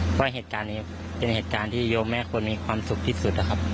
เพราะเหตุการณ์นี้เป็นเหตุการณ์ที่โยมแม่ควรมีความสุขที่สุดนะครับ